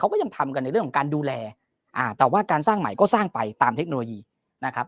ก็ยังทำกันในเรื่องของการดูแลอ่าแต่ว่าการสร้างใหม่ก็สร้างไปตามเทคโนโลยีนะครับ